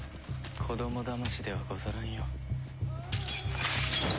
子供だましではござらんよ。